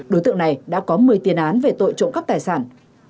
đối tượng này đã có một mươi tiền án về tội trộm cắp tài sản